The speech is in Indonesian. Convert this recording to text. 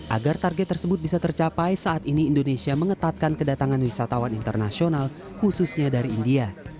agar target tersebut bisa tercapai saat ini indonesia mengetatkan kedatangan wisatawan internasional khususnya dari india